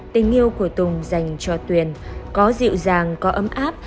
tình yêu của tùng dành cho tuyền có dịu dàng có ấm áp